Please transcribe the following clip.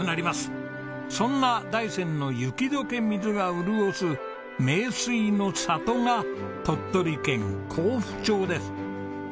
そんな大山の雪解け水が潤す名水の里が鳥取県江府町です。